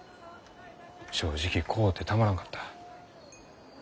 正直怖うてたまらんかった。